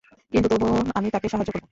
কিন্তু তবুও আমি তাকে সাহায্য করবো।